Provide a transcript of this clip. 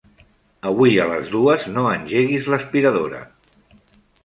Avui a les dues no engeguis l'aspiradora.